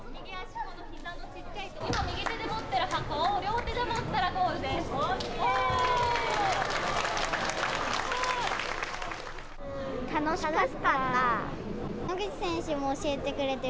今右手で持ってる箱を両手で持ったらゴールです。